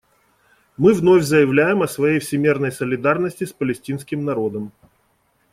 Мы вновь заявляем о своей всемерной солидарности с палестинским народом.